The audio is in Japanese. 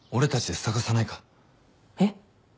えっ？